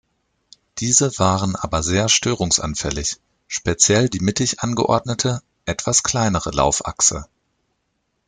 Diese waren aber sehr störungsanfällig, speziell die mittig angeordnete, etwas kleinere Laufachse.